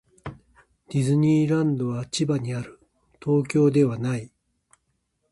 ディズニーランドは千葉にある。東京ではない。